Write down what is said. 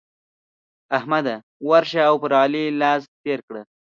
احمده! ورشه او پر علي لاس تېر کړه.